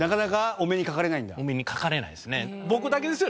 お目にかかれないですね。